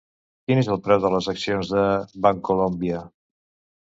Quin és el preu de les accions de Bancolombia?